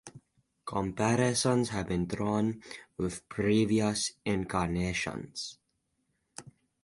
Comparisons have been drawn with previous incarnations.